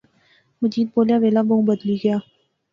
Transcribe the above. مجید بولیا ویلا بہوں بدلی گیا